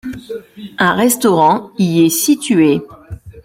Un restaurant y est situé.